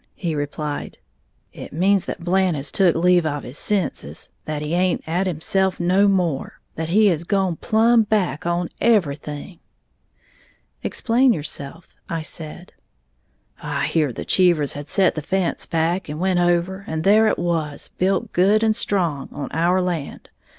he replied. "It means that Blant has took leave of his senses, that he aint at himself no more, that he has gone plumb back on everything!" "Explain yourself," I said. "I heared the Cheevers had set the fence back, and went over, and there it was, built good and strong, on our land.